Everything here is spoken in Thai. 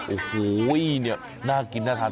โอ้โหเนี่ยน่ากินน่าทาน